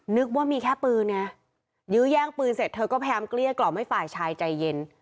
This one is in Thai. นึกว่ามีแค่ปืนไงยื้อแย่งปืนเสร็จเธอก็พยายามเกลี้ยกล่อมให้ฝ่ายชายใจเย็น